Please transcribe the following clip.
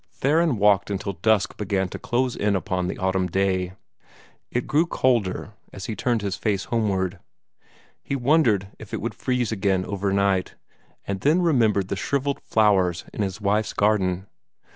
Theron walked until dusk began to close in upon the autumn day. It grew colder, as he turned his face homeward. He wondered if it would freeze again over night, and then remembered the shrivelled flowers in his wife's garden.